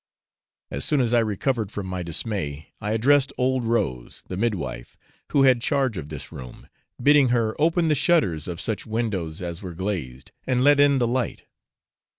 As soon as I recovered from my dismay, I addressed old Rose, the midwife, who had charge of this room, bidding her open the shutters of such windows as were glazed, and let in the light.